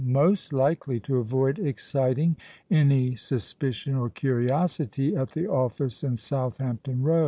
most likely to avoid exciting any suspicion or curiosity at the office in Southampton Row.